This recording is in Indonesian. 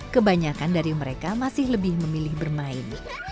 kebanyakan dari mereka masih lebih memilih bermain